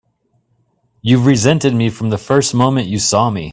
You've resented me from the first moment you saw me!